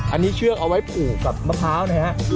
อันนี้เชือกเอาไว้ผูกกับมะพร้าวนะฮะ